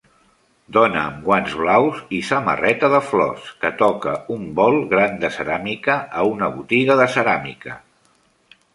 Dona amb guants blaus i samarreta de flors que toca un bol gran de ceràmica a una botiga de ceràmica.